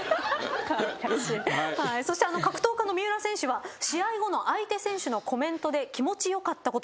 そして格闘家の三浦選手は試合後の相手選手のコメントで気持ち良かったことがある。